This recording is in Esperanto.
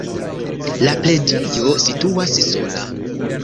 La preĝejo situas sola.